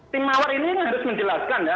tim mawar ini harus menjelaskan ya